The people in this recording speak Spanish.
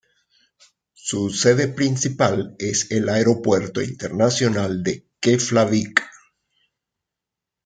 Su sede principal es el Aeropuerto Internacional de Keflavík.